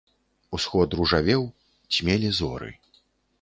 Усход ружавеў, цьмелі зоры.